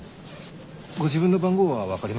ご自分の番号は分かりますよね？